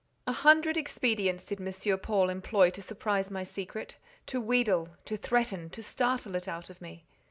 A hundred expedients did M. Paul employ to surprise my secret—to wheedle, to threaten, to startle it out of me.